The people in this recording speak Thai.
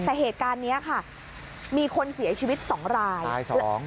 แต่เหตุการณ์เนี้ยค่ะมีคนเสียชีวิตสองรายสายสอง